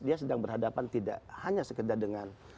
dia sedang berhadapan tidak hanya sekedar dengan